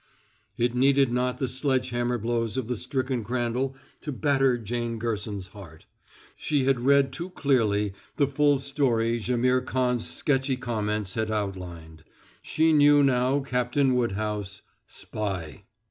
It needed not the sledge hammer blows of the stricken Crandall to batter Jane Gerson's heart. She had read too clearly the full story Jaimihr Khan's sketchy comments had outlined. She knew now Captain Woodhouse, spy.